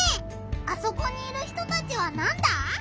あそこにいる人たちはなんだ？